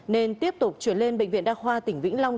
nên tiếp tục chuyển lên bệnh viện đa khoa tỉnh vĩnh long